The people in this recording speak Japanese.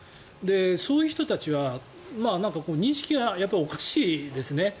そういう人たちは認識がやっぱりおかしいですね。